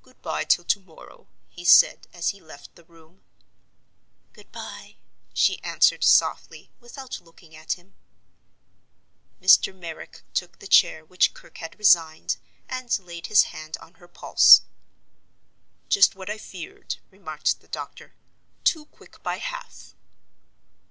"Good by till to morrow," he said, as he left the room. "Good by," she answered, softly, without looking at him. Mr. Merrick took the chair which Kirke had resigned, and laid his hand on her pulse. "Just what I feared," remarked the doctor; "too quick by half."